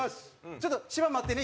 ちょっと芝待ってね